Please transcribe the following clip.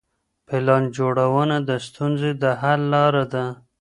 پلان جوړونه د ستونزو د حل لاره ده.